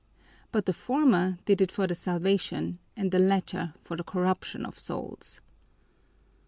But the former did it for the salvation and the latter for the corruption of souls.